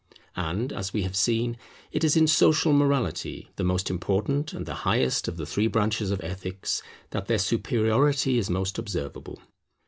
And, as we have seen, it is in social morality, the most important and the highest of the three branches of Ethics, that their superiority is most observable.